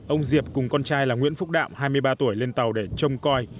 ông diệp cùng con trai là nguyễn phúc đạo hai mươi ba tuổi lên tàu để trông con